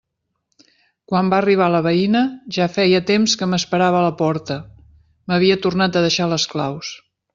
Quan va arribar la veïna, ja feia temps que m'esperava a la porta: m'havia tornat a deixar les claus.